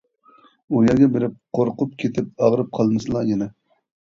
ئۇ يەرگە بېرىپ قورقۇپ كېتىپ ئاغرىپ قالمىسىلا يەنە.